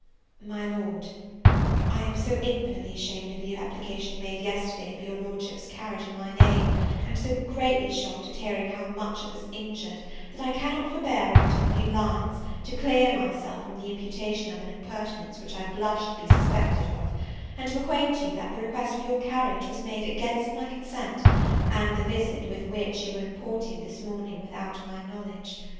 "My Lord, "I am so infinitely ashamed of the application made yesterday for your Lordship's carriage in my name, and so greatly shocked at hearing how much it was injured, that I cannot forbear writing a few lines, to clear myself from the imputation of an impertinence which I blush to be suspected of, and to acquaint you, that the request for your carriage was made against my consent, and the visit with which you were importuned this morning without my knowledge.